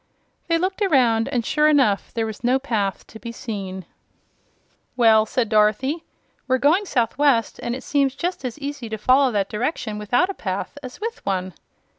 They looked around and sure enough there was no path to be seen. "Well," said Dorothy, "we're going southwest, and it seems just as easy to follow that direction without a path as with one."